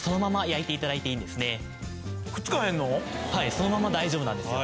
そのまま大丈夫なんですよ。